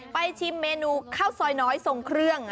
ชิมเมนูข้าวซอยน้อยทรงเครื่อง